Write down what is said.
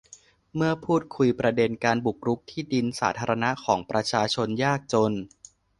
เมื่อพูดคุยประเด็นการบุกรุกที่ดินสาธารณะของประชาชนยากจน